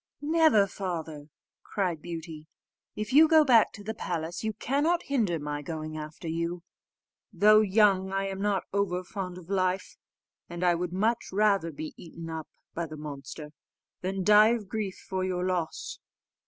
"Never, father!" cried Beauty: "If you go back to the palace, you cannot hinder my going after you; though young, I am not over fond of life; and I would much rather be eaten up by the monster, than die of grief for your loss."